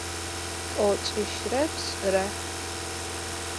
T'oç'işıre pş'ıre.